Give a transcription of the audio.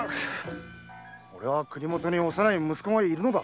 俺は国許に幼い息子がいるのだ。